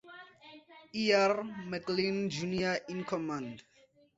E. R. McLean, Junior in command.